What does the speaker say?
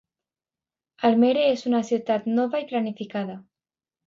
Almere és una ciutat nova i planificada.